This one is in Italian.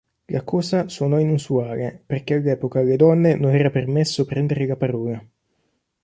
La cosa suonò inusuale, perché all'epoca alle donne non era permesso prendere la parola.